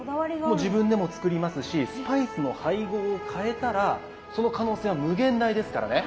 もう自分でも作りますしスパイスの配合を変えたらその可能性は無限大ですからね。